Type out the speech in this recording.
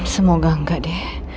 semoga enggak deh